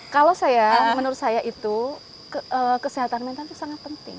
kalau saya menurut saya itu kesehatan mental itu sangat penting